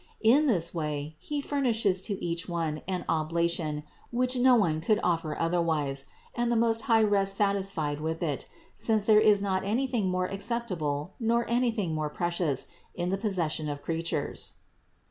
In this way He fur nishes to each one an oblation which no one could other wise offer, and the Most High rests satisfied with it, since there is not anything more acceptable nor anything more precious in the possession of creatures.